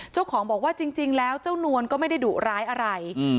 เจ้าของบอกว่าจริงแล้วเจ้านวลก็ไม่ได้ดุร้ายอะไร